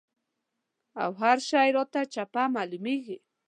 او هر شی راته چپه معلومېږي.